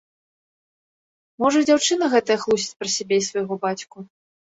Можа і дзяўчына гэтая хлусіць пра сябе і свайго бацьку.